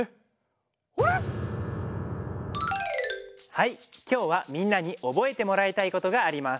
はいきょうはみんなにおぼえてもらいたいことがあります。